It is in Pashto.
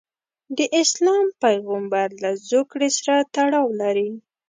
د اسلام پیغمبرله زوکړې سره تړاو لري.